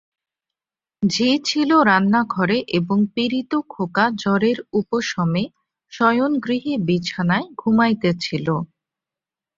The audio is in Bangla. ঝি ছিল রান্নাঘরে এবং পীড়িত খোকা জ্বরের উপশমে শয়নগৃহে বিছানায় ঘুমাইতেছিল।